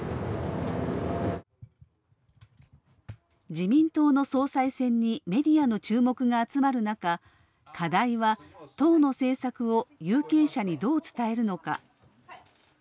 自民党の総裁選にメディアの注目が集まる中課題は、党の政策を有権者にどう伝えるのか。